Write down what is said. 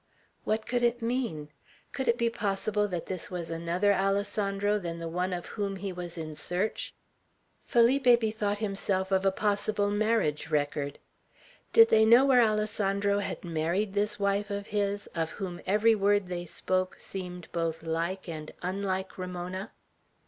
What could it mean? Could it be possible that this was another Alessandro than the one of whom he was in search? Felipe bethought himself of a possible marriage record. Did they know where Alessandro had married this wife of his, of whom every word they spoke seemed both like and unlike Ramona?